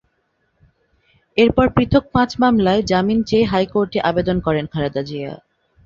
এরপর পৃথক পাঁচ মামলায় জামিন চেয়ে হাইকোর্টে আবেদন করেন খালেদা জিয়া।